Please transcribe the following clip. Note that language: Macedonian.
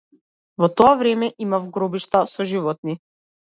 Во тоа време имав гробишта со животни.